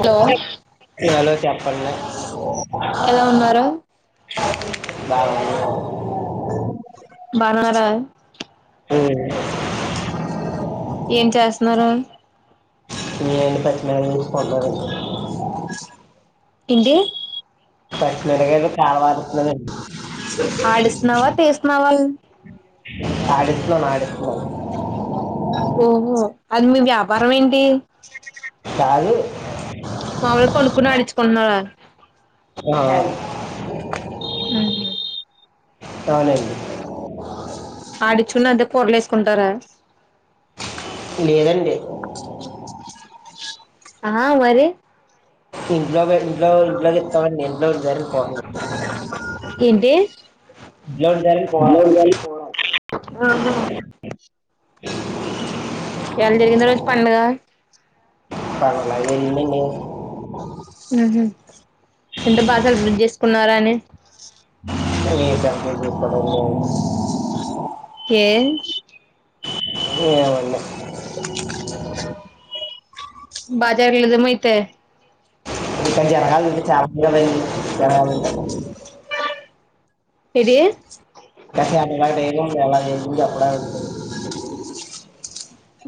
Hello hello చెప్పండి ఎలా ఉన్నారు బాగుం బాగున్నారా హుమ్ ఏం చేస్తున్నారు ఎం లే సెల్ చూసుకుంటున్నారు ఇండి కశమీర్ [inaudible] కాలవారడి ఆడిస్తున్నావా [unintelligible] తీస్తున్నావా అడుతులో మాడుతున్నాను [unintelligible] ఓహో అది మీ వ్యా వరంమ్ ఎంటి కాదు మావుల్ గ కొనుక్కున్న నని [inaudible] చుకున్నావ ఆ అ మ్ టానిక్ ఆడిచుకున్న అదే కూర్ లో వేస్ కుంటారా లేదఅండి ఆ మరి ఇంట్లో ఇంట్లో ఇంట్లోకి ఇస్తామండి ఇంట్లో జరిగి పోతుంది ఏంటి ఉండాలని కూడా ఆహ [inaudible] ఇయ్యాల్ జరిగింది రోజ్ పండుగ పాల [inaudible] ఉహు అంటే బాగా సెలబ్రేట్ చేసుకున్నారా అని నీ [unintelligible] కేల్ ఏమ్ వుండే బజార్ లోదమై అయితే ఇక జరగాలునుంది చాప [inaudible] ఏది అ బ [inaudible] టేబు చాలా ఎప్పుడు చెప్పాల సినింది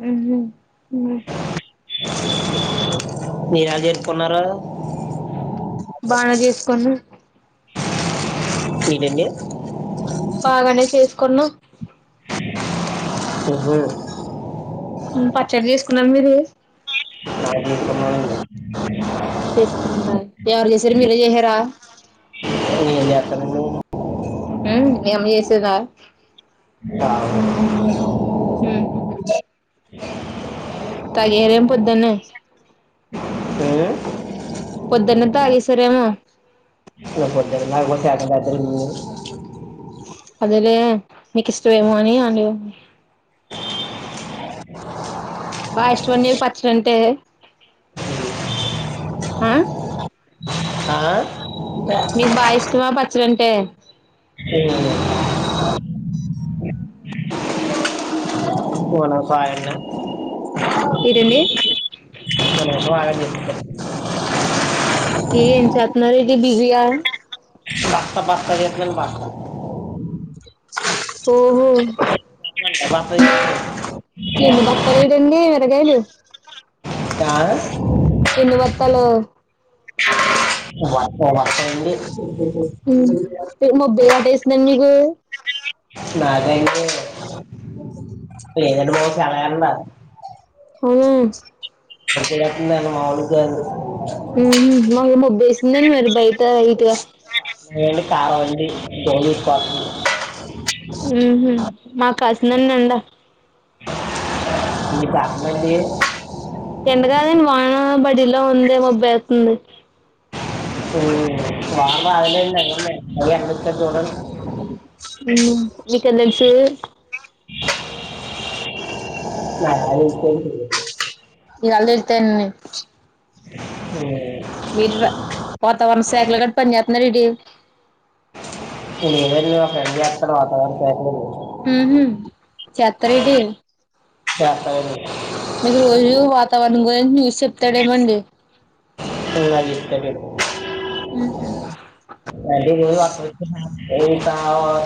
ఉహు ఊ మీర్ ఎల్ చేతుకున్నారు బాగా చేసుకోను ఇడ అండి బాగానే చేసుకున్నా హో దే పచ్చడి తీసుకున్నారా మీరు నాకు ఇష్టమైనది. తీసుకున్నడా ఎవరు చేసారు మీరే చేసారా ఇక్కడ ఎం చేత్తార అండి హ్ము మీ అమ్మ చేసిందా కావాలి మ్ తగిరేం పొద్దున్ నుంచ్ ఏ? పొద్దున్న్ వత్తా ఇసారేమో నా [inaudible] అదిరే మీకు ఇష్టమేమ అని అడి బాగా ఇష్టమ అండి పచ్చడి అంటే ఆ మీకు బా ఇష్టమా పచ్చడి అంటే మన పాయఅన్నా ఈడ అండి మన కాయన చెప్తాను ఏమ్ చేత్తున్నార్ అండి బిజీగా బస్త బస్త ఎక్రన్ బస్తా ఓహో బస్త చేస్తాను ఎన్ని బత్తలు ఇడేం ఎంది తగేలు ఆ? ఎన్ని బత్తాలు వర్ష వర్ష అండి ఉమ్ మబ్బులు పట్టేసిందా మీకు మకాండి లేదండి బాబు చాలా ఎండ అవునా తెగ కొట్టెతుందండి మాములుగా కాదు మాకేమో ముబ్బేసిందండి మరి బయట ఇటు [unintelligible] ఉమ్ మాకు కాసిందండి ఎండ మీకు కాసిందాండి ఎండ కాదండి వాన పడేలా ఉంది మబ్బేస్తుంది ఉమ్ వాన రాదులేండి ఎండలే అదిగో ఎండొచింది చూడండి చూ [unintelligible] ఇవాళే [unintelligible] ఉమ్ మీరు వాతావరణ శాఖలో గాని పని చేస్తున్నారా ఏటి లేదండి మా ఫ్రెండ్ చెత్తాడు వాతావరణ శాఖలోని ఉహు చెత్తారేటి చెత్తారండి మీకు రోజు వాతావరణం గురించి న్యూస్ చెప్తాడేమండి నాకు చెప్తాడండి ఉహు అదే ఈ రోజు వర్షం [unintelligible] ఎయిట్ ఆ...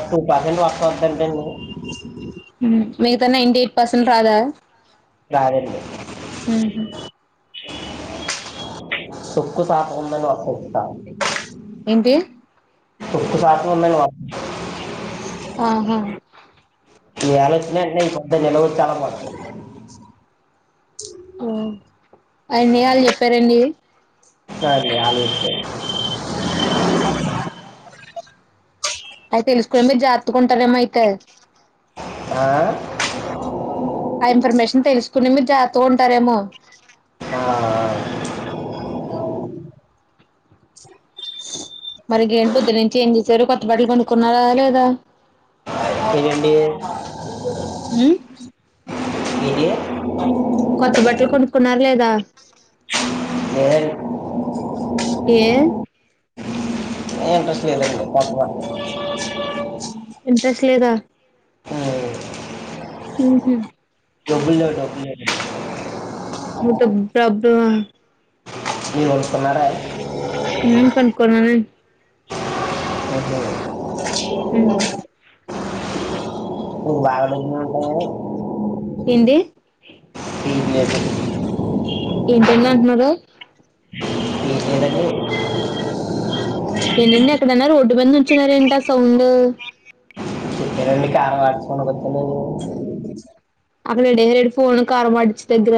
టూ పర్సెంట్ వర్షం పడుద్దంటండి మిగతా నైన్టి ఎయిట్ పర్సెంట్ రాదా ఉహు [unintelligible] సుక్కు సాప్ట్ ఏంటి వుందండి వ ఆహా ఇయ్యాల వచ్చినయి వెంటనే ఇలా వచ్చి అలా పోతున్నాయి ఆ అన్ని వాళ్ళు చెప్పారండి సరే ఆలోచించండి అయ్యి తెలుసుకుని మీరు జాగ్రత్తగుంటారేమో అయితే ఆ ఆ ఇన్ఫర్మేషన్ తెలుసుకుని మీరు జాగ్రత్తగా ఉంటారేమో ఆ మరి ఇగమ్ పోద్దు నుంచి ఏం చేసారు కొత్త బట్టలు కొనుక్కున్నారా లేదా లేదండి ఉమ్ ఏటి కొత్త బట్టలు కొనుకున్నారా లేదా లేదండి ఏ ఏ ఇంట్రెస్ట్ లేదండి కొత్తబట్టలకు ఇంట్రెస్ట్ లెదా ఉహు డబ్బుల్లేవ్ డబ్బులైపోయినయండి మొత్తం ప్రాబ్లమ్ మీరు కొనుక్కున్నారా అండి ఉ కొనుక్కున్నానండి ఓకే ఉమ్ నువ్వు వాళ్ళ రూమ్ ఉంటవగాద ఎంది [unintelligible] ఏంటండి అంటున్నారు [unintelligible] ఏంటండి ఎక్కడన్నా రోడ్డు మీద నిల్చున్నర ఏంటి అ సౌండ్ హాస్పిటల్ వచ్చి నువ్వు అక్కడ ఎడేహరేడు ఫోన్ కారుమాడిచ్చె దగ్గర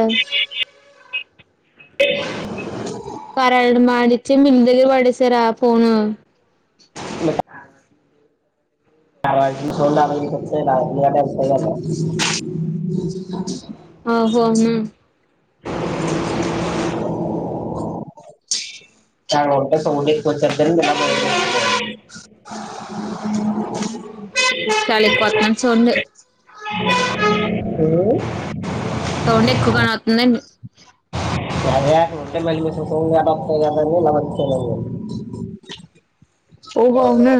[unintelligible] కరాల మాడించి మిల్ దగ్గర పడే సరా ఫోను మీకు [unintelligible] [unintelligible] అ ఓహో ఉమ్ [unintelligible] చాల ఉంట సౌండ్ కొంచెం [unintelligible] ఉహు చాలెక్కువత్తన చూడండి ఉమ్. సౌండ్ ఎక్కువగానే వత్తుందండి ఉంట [unintelligible] [unintelligible] [inaudible] ఓహో అవునా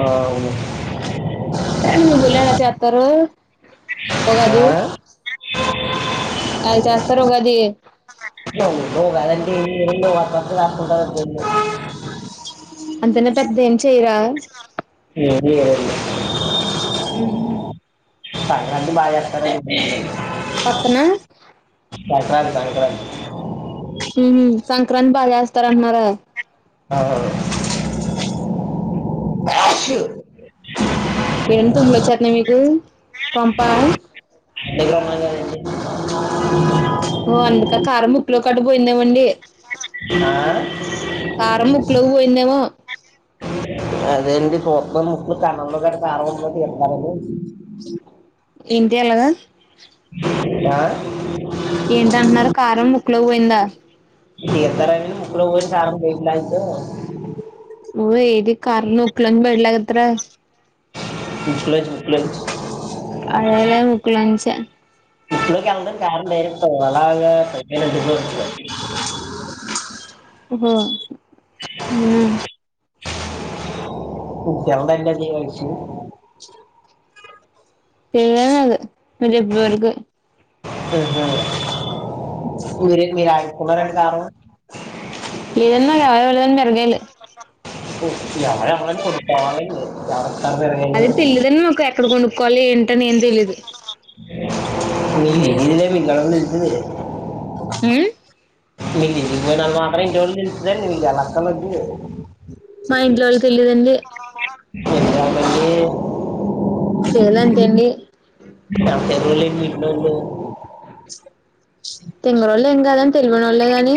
ఆ అవును మీ ఊళ్లేడా చెప్పరు ఒగాది [inaudible] ఎల్ చెస్తరుఉగాది గాదండి [unintelligible] [unintelligible] అంతనా పెద్దదేం చెయ్యరా ఏం చేయరండి ఊహు సంక్రాంతి బాగా చేస్తారండి [unintelligible] పక్కన ప్రసాంతంగా ఉహు సంక్రాంతి బాగా ఎస్తారంటున్నారా [inaudible] ఎంటి తుమ్లోచ్చతన్నాయ మీకు కొంప ఎంతమంది అమ్మా ఓ అందుక కారం ముక్కులో అడ్డు పోయిందేమండి ఆ? కారం ముక్కులోకి పోయిందేమో అదే అండి చూత్తనను ముక్కులు కనంలో ఎంటి నమ్మకమ్ ఏంటి ఎలగా ఆ ఏంటంటున్నారు కారం ముక్కులోకి పోయిందా తితారండి ముక్కులోకి పోయిన కారం వట్లయితే ఊ ఏది కార్ ముకులొంది బయటకి లగేత్ర ప్లస్ అడేలే ముక్కు లోంచి ముక్కులోకి వెళ్ళడం [unintelligible] ఓహో అవునా నీకు తెలదేండి అ విషయం తెలవలేదు అది ఇప్పుడు వరుకు హుహ్ మీరే మీరు అడుకున్నారంట కారం. ఏదన్న ఎవరన్నరు [unintelligible] ఎవరెవరనీ కొద్దిగా [unintelligible] అదె తెలియదండి నాకు ఎక్కడ కొనుక్కవాలి ఏం [inaudible] తెలీదు ఉమ్ [unintelligible] మాత్రమే [unintelligible] యలా మా ఇంట్లో వాళ్ళు [unintelligible] తెలియదండి తేల్ అంటే ఎంది. ఎవరులేని [inaudible] తేం కాదని తెలవనోళ్లేగాని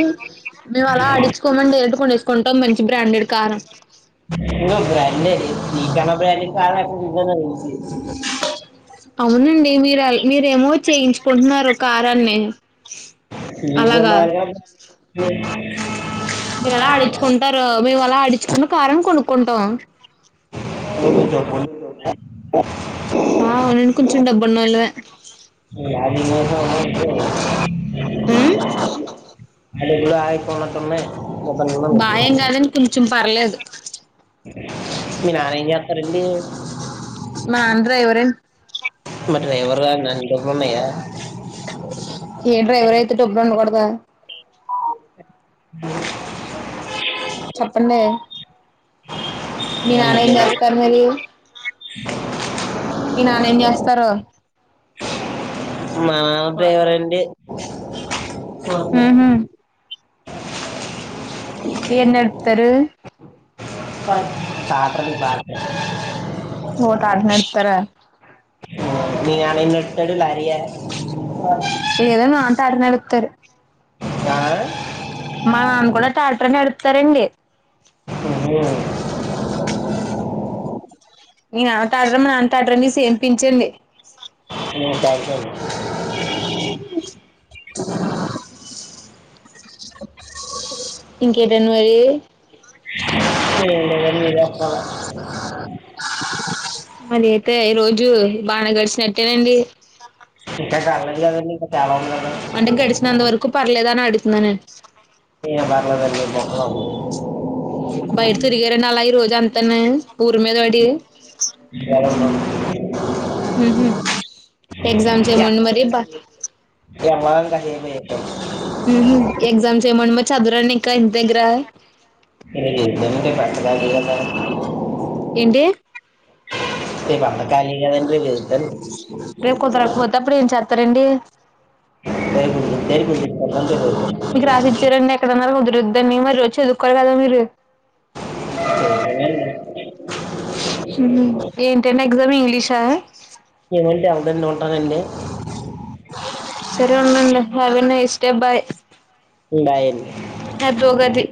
మేము అలా ఆడిచుకోమండి డైరెక్ట్ కొనేసు కొంటాం మంచి బ్రాండెడ్ కారం. ఇది కూడా బ్రాండే [inaudible] అవునండి మీరు మీరేమో చేయించుకుంటున్నారు కారాన్ని. అలాగా చేయి [inaudible] మీరలా ఆడించుకుంటారు. మేము అలా ఆడించుకున్న కారం కొనుక్కుంటాం. ఓ మీ డబ్బులు అవును అండి కొంచెం డబ్బున్నోళ్ళ మే [inaudible] డబ్బులు బాఎక్కువ ఉన్నటున్నయి. బాయేం కాదండి కొంచం పర్లేదు. మీ నాన్నెంచేతారండి? మా డ్రైవర్ అండి. మరి డ్రైవర్ గారేనా అన్ని డబ్బులున్నయా. ఏ డ్రైవర్ అయితే డబ్బులు ఉండకూడదా. చెప్పండీ. మీ నాన్న ఏం చేస్తారు మరీ. మీ నాన్నేం చేస్తారో మా నాన్నా డ్రైవర్ అండి. ఆహా ఏం నడుపుతరు. పాతది ట్రాక్టర్. ఓ టాటా హ్ నడుపుతారా మీ నాన్నెం నడుపు తడు లారీ ఆ లేదో మా నాన్న టాటా నడుపుతారు ఆ మా నాన్న కూడా ట్రాక్టర్ నడుపుతారండి. హు మీ నాన్న ట్రాక్టర్, మా నాన్న ట్రాక్టరండి సేమ్ పించండి. హ్ కాదు, కాదు. ఇంకేటండి మరి. ఏం లేదండి మీరే చెప్పాలె. మరి అయితే ఈ రోజు బానే గడిచినట్టేనండి. ఇంకా కాలేదు కదండి ఇంకా చాలా ఉంది కదా అంటే గడిచినంత వరకు పర్లేదా అని అడుగుతున్నాను అం ఏమి పర్లేదండి [inaudible] బయట తిరిగార అండి అలా ఈ రోజు అంతను. [inaudible] హుహ్ ఎగ్జామ్ ఏమో అండి మరి బ ఎవ్వాలని కాసేపు చెప్పాను రేపు ఎక్జామ్స్ ఏం అండి మరి చదవరా అండి ఇంకా దగ్గర ఇ ఇద్దే పెట్టదగద ఏంటి రేపంత ఖాలీ కదండీ వెళ్తారు రేపు కుదరకపోతే అప్పుడు ఏం చేస్తారండి మీకు రాసి ఇచ్చరడి ఎక్కడన్నారు కొదురు దాన్నేమో రోజు చదువుకోవాలి కదా మీరు [unintelligible] ఏంటండీ ఎగ్జామ్ ఇంగ్లీషా కదండీ సరే ఉండండి have a nice day bye bye అండి అదోగది